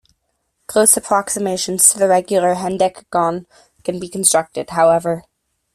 Close approximations to the regular hendecagon can be constructed, however.